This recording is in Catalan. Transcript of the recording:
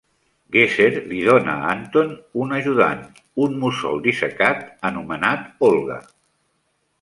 Geser li dona a Anton un ajudant, un mussol dissecat anomenat Olga.